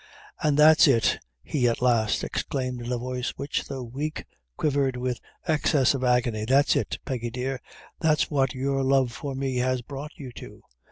"An' that's it," he at last exclaimed, in a voice which, though weak, quivered with excess of agony "that's it, Peggy dear that's what your love for me has brought you to!